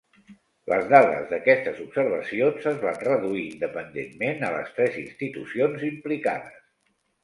Les dades d'aquestes observacions es van reduir independentment a les tres institucions implicades.